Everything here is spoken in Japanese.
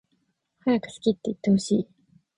はやく好きっていってほしい